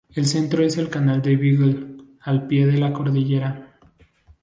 El centro es el canal de Beagle, al pie de la cordillera.